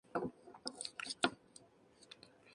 Fue nombrada así en honor al general prusiano Adolf von Lützow.